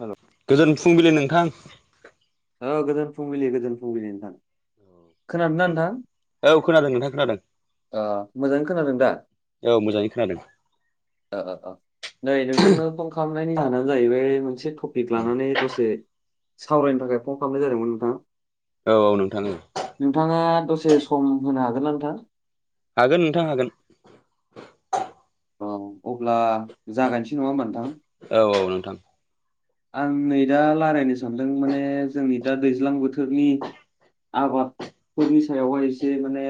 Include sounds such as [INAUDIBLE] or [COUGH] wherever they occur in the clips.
हेल' गोजोन फुंबिलि नोंथां। औ गोजोन फुंबिलि गोजोन फुंबिलि नोंथां खोनादों ना नोंथां। औ खोनादों नोंथां खोनादों ओ मोजाङै खोनादों दा। औ मोजाङै खोनादों ओ-ओ अ नै नोंथांनो फन खाम नायनि जाहोननानो जाहैबाय मोनसे टपिक लानानै दसे सावरायनो थाखाय फन खालामनाय जादोंमोन नोंथां। औ औ नोंथां ओ। नोंथाङा दसे सम होनो हागोन ना नोंथां। हागोन नोंथां हागोन। औ अब्ला जागायसै नङा होमबा नोंथां। औ औ नोंथां। आं नै दा रायलायनो सानदों माने जोंनि दा दैज्लां बोथोरनि। आबादफोरनि सायावहाय एसे माने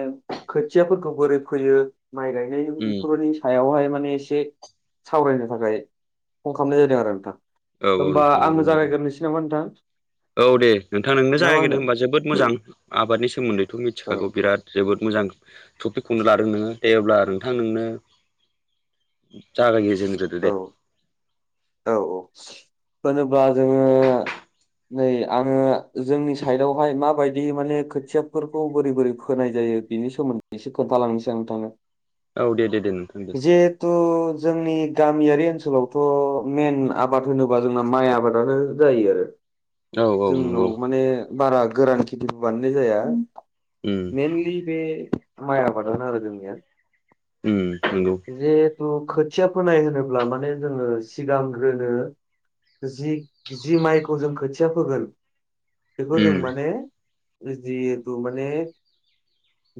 खोथियाफोरखौ बोरै फैयो। माइ गायनाय [UNINTELLIGIBLE] बेफोरबायनि सायावहाय मा माने एसे सावरायनो थाखाय फन खालामनाय जादों आरो नोंथां। औ औ होमबा नोंथां नंगौ आंनो नंगौ जागायग्रोसै नामा नोंथां। औ दे नोंथां नोंनो ना मा जागायगोरदों होनो? होनबा जोबोद मोजां आबादनि सोमोन्दैथ' औ मिथिखागौ बिराद जोबोद। मोजां टपिकखौनो लादों नोङो दे अब्ला नोंथां नोंनो जागाय जोनग्रो दे [UNINTELLIGIBLE] औ औ होनोबा जोङो नै आङो जोंनि साइडआवहाय माबायदि माने खोथियाफोरखौ बोरै बोरै फोनाय जायो। बिनि सोमोन्दै एसे खोन्थालांसै आं नोंथांनो औ दे दे दे नोंथां दे जिहेथु जोंनि गामियारि ओनसोलावथ मेन आबाद होनोबा जोंना माइ आबादानो जायो आरो औ औ जोंनाव नंगौ माने बारा गोरान खेथिबो बानायनाय जाया उम मेनलि बे माइ आबादनो आरो जोंनिया उम नंगौ जिहेथु खोथिया फोनाय होनोब्ला माने जोङो सिगांग्रोनो जि जि माइखौ जों खोथिया फोगोन बेखौ जों उम माने जिहेथु माने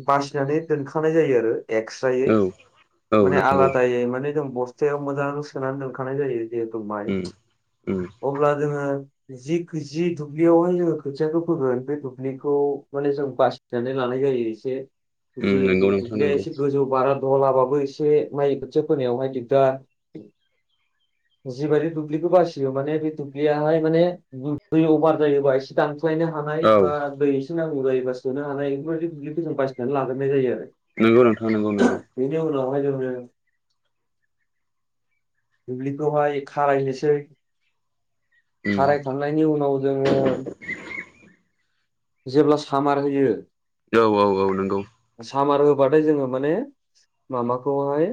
बासिनानै दोनखांनाय जायो आरो एकस्रायै औ औ माने नंगौ आलादायै माने जों बस्थायाव मोजां सोनानै दोनखानाय जायो जिहेथु माइ उम उम अब्ला जोङो जि जि दुब्लियावहाय जोङो खोथियाखौ फोगोन बे दुब्लिखौ माने जों बासिनानै लानाय जायो एसे उम नंगौ जेहुथु नोंथां दुब्लिया नंगौ एसे गोजौ बारा दह्लाबाबो एसे माइ बोथिया फोनायावहाय दिगदार जिबायदि दुब्लिखौ बासियो माने बे दुब्लियाहाय माने दै अमार जायोबा एसे दान ख्लायनो हानाय औ बा दै एसे नांगौ जायोबा सोनो हानाय बेफोरबायदि दुब्लिखौ जों बासिनानै लाग्रोनाय जायो आरो नोंगौ नोंथां नोंगौ नोंगौ। [UNINTELLIGIBLE] दुब्लिखौहाय खारायनोसै उम खारायखांनायनि उनाव जोङो जेब्ला सामार होयो औ औ-औ नोंगौ सामार होबाथाय जोङो माने माबाखौहाय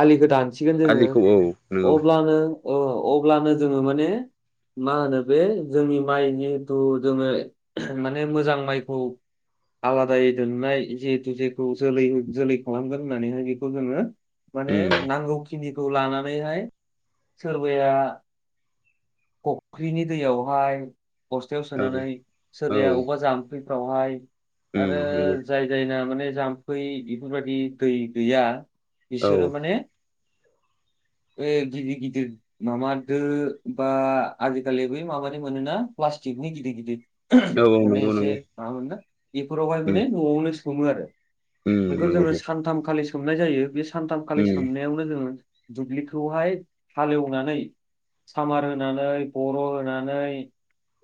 आलिखौ दानसिगोन जोङो आलिखौ औ नंगौ अब्लानो अ अब्लानो जोङो माने मा होनो बे जोंनि माइनिथु जोङो माने मोजां माइखौ आलादायै दोननाय जिहेथु जेखौ जोलै जोलै खालामगोन होननानैहाय बेखौ दोनो माने उम नांगौखिनिखौ लानानैहाय सोरबाया फख्रिनि दैयावहाय बस्थायाव औ सोनानै औ सोरबाया अबबा जाम्फैफ्रावहाय आरो उम नंगौ जाय जायना माने जाम्फै बेफोरबायदि दै गैया औ बोसोरो माने बै गिबि गिदिर मामा दो बा आजिखालि बै माबानि मोनोना फ्लास्टिकनि गिदिर गिदिर औ माने नंगौ एसे नंगौ मा मोनगोन बेफोरावहाय उम माने नआवनो सोमो आरो उम बेखौ नंगौ जोङो सानथामखालि सोमनाय जायो बे सानथामखालि उम सोमनायावनो जोङो दुब्लिखौहाय हालेवनानै सामार होनानै बर होनानै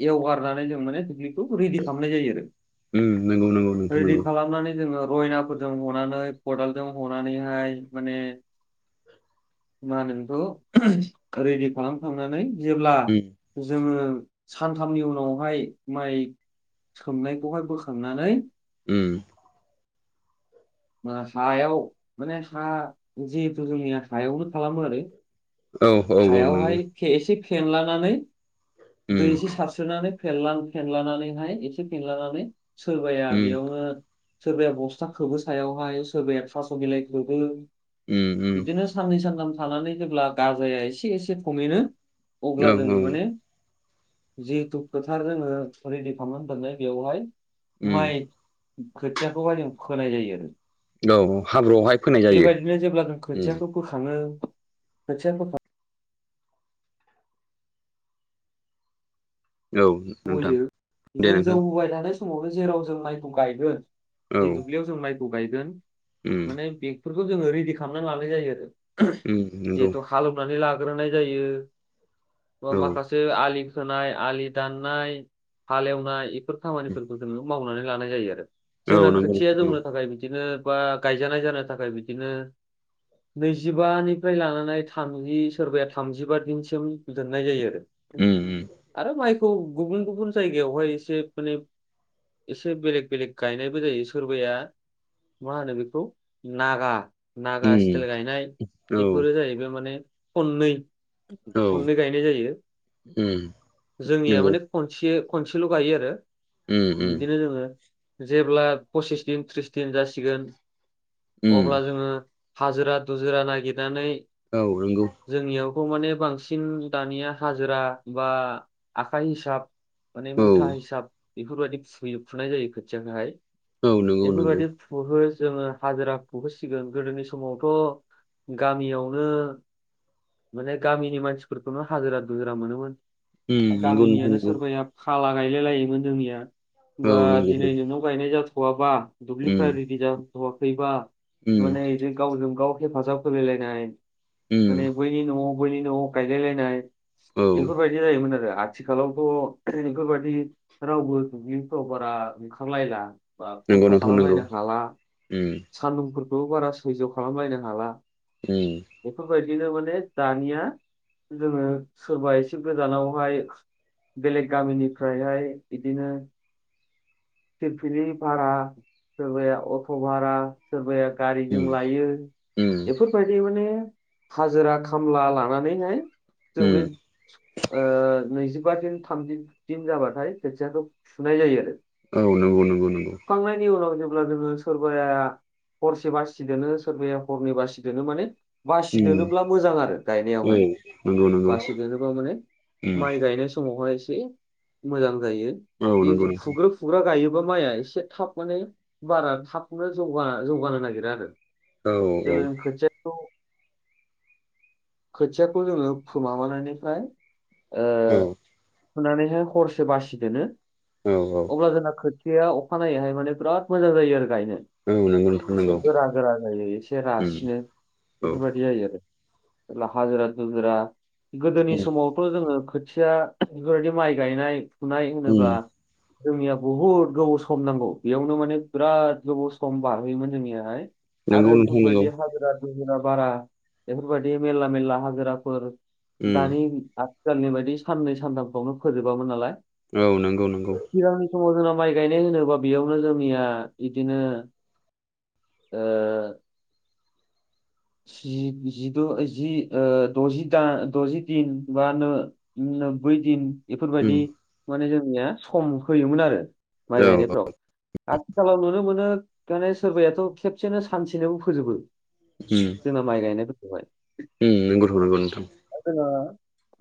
एवगारनानै जों माने [UNINTELLIGIBLE] खौ रेदि खालामनाय जायो आरो नोंगौ नोंगौ नोंथ रेडि नोंगौ खालामनानै जोङो रयनाफोरजों हनानै खदालजों हनानैहाय माने मा होनो नोंखौ रेदि खालामखांनानै जेब्ला उम जोङो सानथामनि उनावहाय माइ सोमनायखौहाय बोखांनानै उम मा सायाव माने हा जिहेथु जोंनिया सायावनो खालामो आरो औ औ औ नंगौ हायावहाय खे एसे फेनलानानै दै उम एसे सारस्रोनानै फेनलां फेनलानानैहाय एसे फेनलानानै सोरबाया उम बेयावनो सोरबाया बस्था खोबो सायावहाय सोरबाया थास बिलाइ खोबो उम उम बिदिनो साननै सानथाम थानानै जेब्ला गाजाया एसे एसे थमेनो औ अब्ला जोङो माने जिथु फोथार जोङो रेडि खालामना दोननाय बेवहाय उम माइ खोथियाखौहाय जों फोनाय जायो आरो औ हाब्रुआवहाय फोनाय जायो बेबायदिनो जेब्ला जों उम खोथियाखौ बोखाङो खोथिया फोखा औ नोंथां बयो दे जों जौ नोंथां हुबाय थानाय समावनो जेराव जों माइखौ गायगोन जि औ दुब्लियाव जों माइखौ गायगोन उम माने बे फोरखौ जोङो रेडि खालामनानै लानाय जायो आरो। उम नंगौ जिहेथु हालेवनानै लाग्रोनाय जायो। ओ औ माखासे आलि खोनाय आलि दाननाय हालेवनाय बेफोर खामानिफोरखौ जों मावनानै लानाय जायो आरो। औ जोंना नंगौ खोथिया नंगौ जौनो थाखाय बिदिनो बा गायजानाय जानो थाखाय बिदिनो नैजिबानिफ्राय लानानै थामजि सोरबाया थामजिबा दिनसिम दोननाय जायो आरो। उम उम आरो माइखौ गुबुन गुबुन जायगायावहाय एसे माने एसे बेलेग बेलेग गायनायबो जायो। सोरबाया मा होनो बेखौ नागा नागा उम सिटेल गायनाय औ बेफोरो जाहैबाय माने खननै औ खननै गायनाय जायो। उम जोंनिया नंगौ माने खनस से खनसेल गायो आरो उम उम बिदिनो जोङो। जेब्ला पसिस दिन थ्रिस दिन जासिगोन उम अब्ला जोङो हाजिरा दुजिरा नागिरनानै औ नोंगौ। खौ माने बांसिन दानिया हाजिरा बा आखाइ हिसाब माने औ मुथा हिसाब बेफोरबायादि फुयो फुनाय जायो खोथियाखौहाय। औ नंगौ नंगौ बेफोरबादि फुहो जोङो हाजिराखौ फुहो होसिगोन। गोदोनि समावथ गामियावनो माने गामिनि मानसिफोरखौनो हाजिरा दुजिरा मोनोमोन। उम नंगौ नोंथां गामिनियानो नंगौ सोरबाया फाला गायलाय लायोमोन जोंनिया। बा औ नंगौ दिनै नोंनाव गायनाय जाथवाबा उम दुब्लिफ्रा रिदि जाथवाखैबा उम माने इजों गावजों गाव हेफाजाब होलायलायनाय उम माने बैनि न'आव बैनि न'आव गायलायलायनाय औ बेफोरबायदि जायोमोन आरो। आथिखालावथ बेफोरबादि रावबो दुब्लिफ्राव बारा ओंखारलायला। बा नंगौ खस्थ नोंथां नंगौ खालामलायनो हाला। उम सानदुंफोरखौ बारा सैज खालामलायनो हाला। उम बेफोरबाय - दिनो माने दानिया जोङो सोरबा एसे गोजानावहाय। बेलेग गामिनिफ्रायहाय बिदिनो फिलफिलि भारा सोरबाया अट' भारा सोरबाया गारिजों उम लायो उम बेफोरबायदि माने हाजिरा खामला लानानैहाय जों उम बे ओ नै जिबा दिन थामजि दिन जाबाथाय खोथियाखौ फुनाय जायो आरो। औ नंगौ नंगौ नंगौ अब्ला जोङो सोरबाया हरसे बासि दोनो सोरबाया हरनै बासि दोनो‌। माने उम बासिदोनोब्ला मोजां आरो औ गायनायावहाय। नंगौ नंगौ बासि दोनोबा माने उम माइ गायनोस समावहाय एसे मोजां जायो। औ बे नंगौ नोंथां फुग्रो फुग्रा गायो बा माइआ एसे थाब माने बारा थाबनो जौगा जौगानो नागिरा आरो। औ औ जेब्ला जों खोथियाखौ खोथियाखौ जोङो फु माबनायनिफ्राय ओ औ फुनानैहाय हरसे बासि दोनो औ औ अब्ला जोंना खोथ थिया अखानायैहाय माने बिराद मोजां जायो आरोख गायनो औ नंगौ नोंथां एसे नंगौ गोरा गोरा जायो एसे उम रासिनो औ बेफोरबायदि जायो आरो। जेला हाजिरा दुजिरा गोदोनि उम समावथ' जोङो खोथिया गोरदि माइ गायनाय फुनाय उम होनोब्ला जोंनिया बुहुद गोबाव सम नांगौ। बेयावनो माने बिराद गोबाव सम बारहोयोमोन जोंनियाहाय। नंगौ आरो नोंथां नंगौ बेफोरबायदि हाजिरा दुजिरा बारा बेफोरबायदि मेरला मेरला हाजिराफोर उम दानि आथिखालनि बायदि साननै सानथामफ्रावनो फोजोबामोन नालाय। औ नंगौ नंगौ सिगांनि समाव जोंना माइ गायनाय होनोब्ला बेयावनो जोंनिया बिदिनो ओ जिद' जि द'जि दा दजि दिन बा ओ नोब्बै दिन उम बेफोरबायदि माने जोंनिया सम होयोमोन आरो माइ औ उम गायनायफ्राव आथिखालाव नुनो मोनो सोरबाथ' खेबसेनो सानसेनोबो फोजोबो जोंना माइ गायनाय नंगौथ' नंगौ नोंथां दा जोङो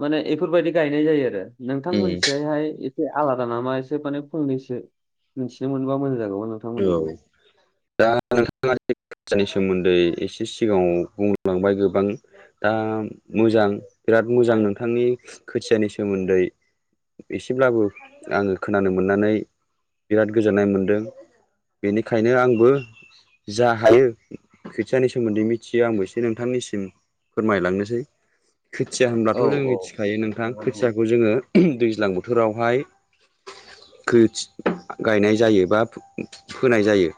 माने बेफोरबायदि गायनाय जायो आरो नोंथां उम मोनथिजायहाय एसे आलादा नामा एसे माने फंनैसो मिथिनो मोनबा मोजां जागौमोन औ नोंथांमोननिखौ दा नोंथाङा [UNINTELLIGIBLE] सोमोन्दै एसे सिगाङाव बुंलांबाय गोबां दा मोजां बिराद मोजां नोंथांनि खोथियानि सोमोन्दै एसेब्लाबो आङो खोनानो मोननानै बिराद गोजोननाय मोनदों बेनिखायनो आंबो जा हायो खोथियाानि सोमोन्दै मिथियो आंबो एसे नोंथांनिसिम फोरमायलांनोसै खोथिया औ होनब्लाथ' जों औ मिथिखायो नोंथां नंगौ नंगौ खोथियाखौ जोङो दैज्लां बोथोरावहाय खोथा गायनाय जायो बा फोनाय जायो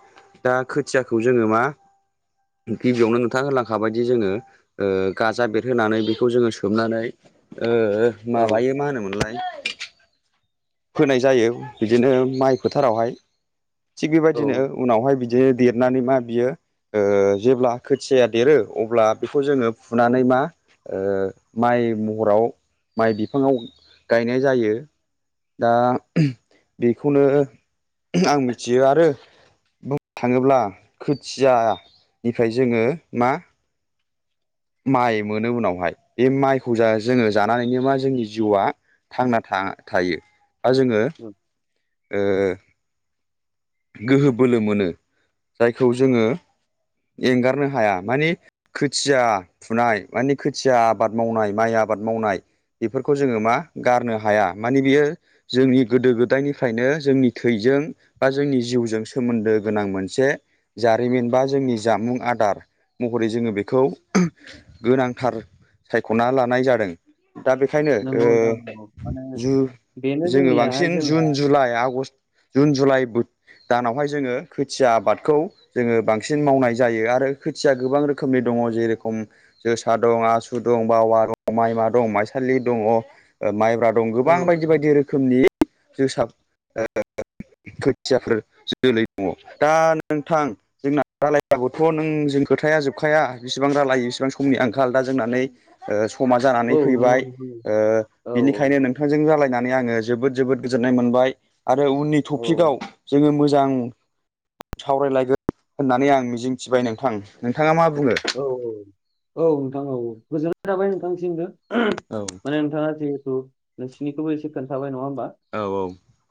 दा खोथियाखौ जोङो मा गिबियावनो नोंथाङा होनलांखाबायदि जोङो ओ गाजा बेरहोनानै बेखौ जोङो सोमनानै ओ औ माबायो मा होनोमोनलाय? फोनाय जायो। बिदिनो माइ फोथारावहाय थिग बेबायदिनो उनावहाय बि दि जे देरनानै मा बियो ओ जेब्ला खोथियाया देरो अब्ला बेखौ जोङो फुनानै मा ओ माइ माइ महराव माइ बिफाङाव गायनाय जायो दा बेखौनो आं मिथियो आरो बुंनो थाङोब्ला खोथिया निफ्राय जोङो मा माइ मोनो उनावहाय बे माइखौ जोङो जानानैनो मा जोंनि जिउआ थांना थायो बा जोङो उम ओ गोहो बोलो मोनो जायखौ जोङो एंगारनो हाया माने खोथिया फुनाय मानि खोथिया आबाद मावनाय माइ आबाद आबाद मावनाय बेफोरखौ जोङो मा गारनो हाया। मानि बियो जोंनि गोदो गोदायनिफ्रायनो जोंनि थैजों बा जोंनि जिउजों सोमोन्दो गोनां मोनसे जारिमिन बा जोंनि जामुं आदार महरै जोङो बेखौ गोनांथार सायख'ना लानाय जादों। दा बेखायनो ओ नंगौ नोंथां नंगौ माने जु बेनो जोङो जोंनियाहाय बांसिन जोंना June July August June July दानावहाय जोङो खोथिया आबादखौ जोङो बांसिन बांसिन मावनाय जायो आरो खोथिया गोबां रोखोमनि दङ जेरखम जोसा दं आसु दं बावा दं माइमा दं माइसा लि दङ' माइब्रा दं औ गोबां बायदि बायदि रोखोमनि जोसा खुसियाफोर जोलै दङ दा नोंथां जोंना रायलायबाबोथ' नों जों खोथाया जोब खाया बिसिबां रालायो बेसिबां समनि आंखाल दा जोंना नै ओ समा जानानै औ नंगौ फैबाय नंगौ ओ औ बिनिखायनो नोंथांजों रालायनानै आङो जोबोद जोबोद गोजोननाय मोनबाय आरो उननि औ टपिकआव जोङो मोजां सावरायलायगोन होननानै आं मिजिंथिबाय नोंथां। नोंथाङा मा बुङो? औ औ औ नोंथां। औ गोजोननाय थाबाय नोंथांनिसिमनबो। औ माने नोंथाङा जिहेथु नोंसिनिखौबो एसे खोनथाबाय नङा होमबा। औ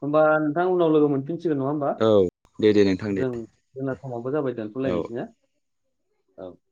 होमबा नोंथां उनाव लोगो मोनफिनसिगोन। नङा होमबा औ दे दे नोंथां दे जों जोंना समावबो जाबाय औ दोनथ'लायनोसै ना? औ।